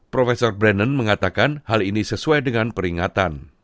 prof deborah brennan mengatakan hal ini sesuai dengan peringatan